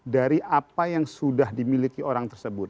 dari apa yang sudah dimiliki orang tersebut